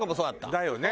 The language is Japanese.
だよね。